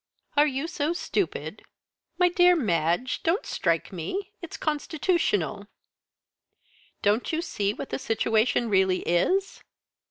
"Are you so stupid?" "My dear Madge! Don't strike me! It's constitutional." "Don't you see what the situation really is?"